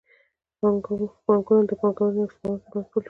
بانکونه د پانګونې او سپما ترمنځ پل جوړوي.